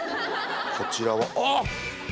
こちらはあっ！